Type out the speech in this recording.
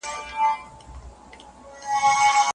افغاني قالینې په نړۍ کې نامتو دي.